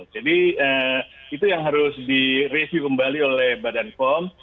jadi itu yang harus direview kembali oleh badan kom